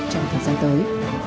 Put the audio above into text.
trong thời gian tới